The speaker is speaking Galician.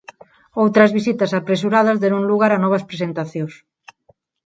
Outras visitas apresuradas deron lugar a novas presentacións.